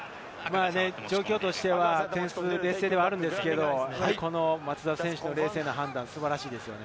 状況としては劣勢ではあるんですけれど、松田選手の冷静な判断、素晴らしいです。